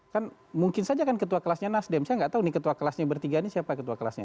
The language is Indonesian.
kan mungkin saja kan ketua kelasnya nasdem saya nggak tahu nih ketua kelasnya bertiga ini siapa ketua kelasnya